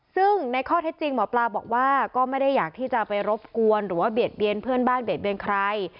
ซึ่งในข้อเท็จจริงหมอปลาบอกว่าก็ไม่ได้อยากที่จะไปรบกวนหรือว่าเบียดเบียนเพื่อนบ้านเบียดเบียนใคร